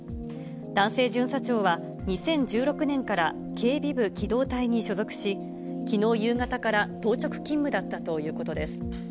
男性巡査長は、２０１６年から警備部機動隊に所属し、きのう夕方から当直勤務だったということです。